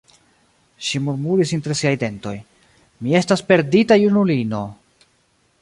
Ŝi murmuris inter siaj dentoj: "Mi estas perdita junulino!"